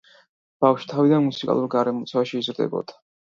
ბავშვი თავიდან მუსიკალურ გარემოცვაში იზრდებოდა.